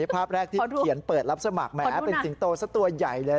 ภาพแรกที่เขียนเปิดรับสมัครแหมเป็นสิงโตสักตัวใหญ่เลย